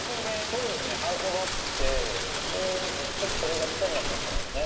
そうですね反響があってでちょっとそれが癖になっちゃったんですね。